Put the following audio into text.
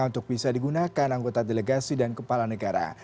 untuk bisa digunakan anggota delegasi dan kepala negara